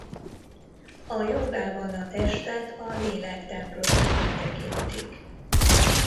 A jógában a testet a lélek templomának tekintik.